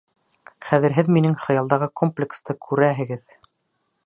Хәҙер һеҙ минең хыялдағы комплексты күрәһегеҙ...